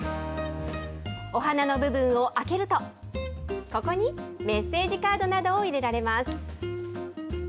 お花の部分を開けると、ここにメッセージカードなどを入れられます。